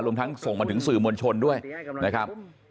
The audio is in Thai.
ทั้งส่งมาถึงสื่อมวลชนด้วยนะครับ